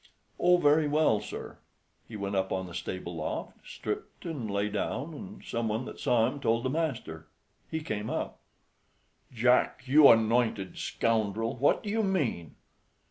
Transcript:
"Oh, very well, sir." He went up on the stable loft, stripped, and lay down, and some one that saw him told the master. He came up. "Jack, you anointed scoundrel, what do you mean?"